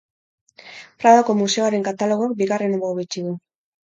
Pradoko Museoaren katalogoak bigarren hau hobetsi du.